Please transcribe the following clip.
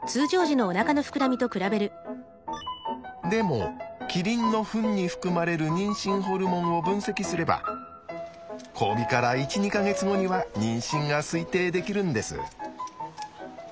でもキリンのフンに含まれる妊娠ホルモンを分析すれば交尾から１２か月後には妊娠が推定できるんです。